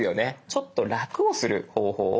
ちょっと楽をする方法を一緒に。